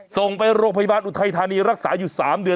ส่งไปโรงพยาบาลอุทัยธานีรักษาอยู่๓เดือน